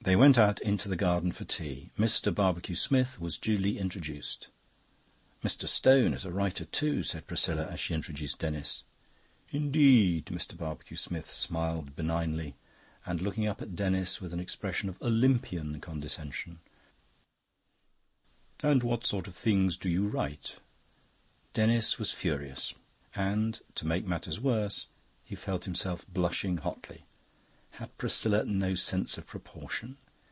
They went out into the garden for tea. Mr. Barbecue Smith was duly introduced. "Mr. Stone is a writer too," said Priscilla, as she introduced Denis. "Indeed!" Mr. Barbecue Smith smiled benignly, and, looking up at Denis with an expression of Olympian condescension, "And what sort of things do you write?" Denis was furious, and, to make matters worse, he felt himself blushing hotly. Had Priscilla no sense of proportion?